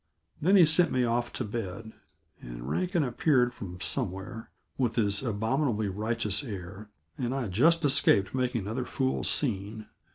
Then he sent me off to bed, and Rankin appeared from somewhere, with his abominably righteous air, and I just escaped making another fool scene.